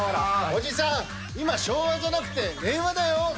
おじさん今昭和じゃなくて令和だよ。